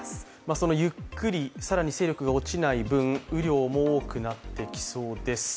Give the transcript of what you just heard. そのゆっくり、さらに勢力が落ちない分雨量も多くなってきそうです。